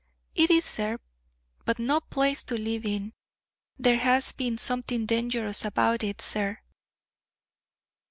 "It is, sir. But no place to live in; there has been something dangerous about it, sir."